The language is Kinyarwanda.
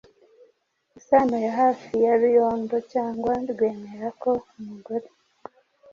isano ya hafi na Ruyondo cyangwa kwemera ko umugore